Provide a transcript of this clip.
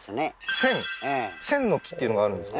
栓の木っていうのがあるんですか？